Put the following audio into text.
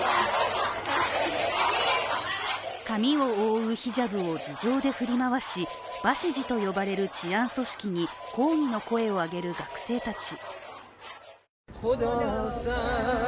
髪を覆うヒジャブを頭上で振り回しバシジと呼ばれる治安組織に抗議の声を上げる学生たち。